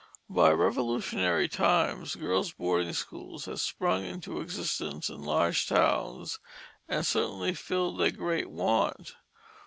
By Revolutionary times, girls' boarding schools had sprung into existence in large towns, and certainly filled a great want.